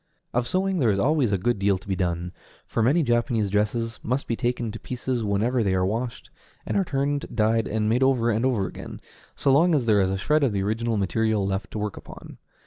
Of sewing there is always a good deal to be done, for many Japanese dresses must be taken to pieces whenever they are washed, and are turned, dyed, and made over again and again, so long as there is a shred of the original material left to work upon.